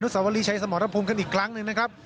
อนุสาวรีใช้สมรพรมกันอีกครั้งหนึ่งนะครับ